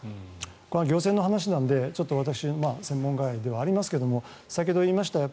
これは行政の話なので専門外ではありますが先ほど言いました